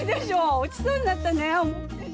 落ちそうになったね。